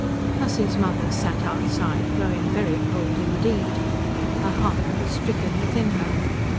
Tussie's mother sat outside growing very cold indeed. Her heart was stricken within her.